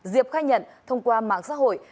diệp khai nhận thông qua mạng xã hội